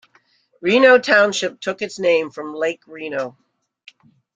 Reno Township took its name from Lake Reno.